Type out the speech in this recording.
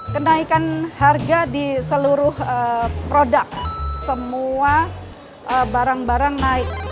kenaikan harga di seluruh produk semua barang barang naik